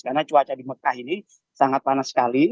karena cuaca di mekah ini sangat panas sekali